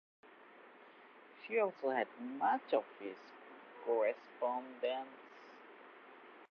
She also had much of his correspondence.